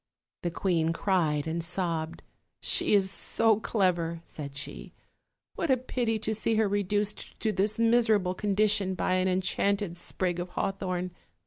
The queen cried and sobbed: "She is so clever," said she, "what a pity to see her reduced to this miserable condition by an enchanted sprig of haw thorn!